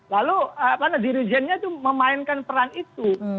lalu dirijennya itu memainkan peran itu